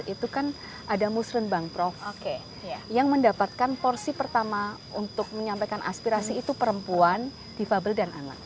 itu kan ada musren bangprof yang mendapatkan porsi pertama untuk menyampaikan aspirasi itu perempuan difabel dan anak